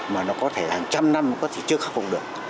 mà nó có thể hàng trăm năm có thể chưa khắc phục được